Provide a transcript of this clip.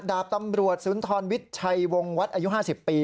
ดาบตำรวจสุนทรวิทย์ชัยวงวัดอายุ๕๐ปี